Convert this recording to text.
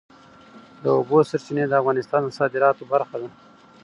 د اوبو سرچینې د افغانستان د صادراتو برخه ده.